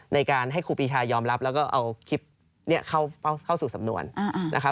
ในการให้ครูวิชายอมรับแล้วก็เอาคลิปเข้าสู่สำนวน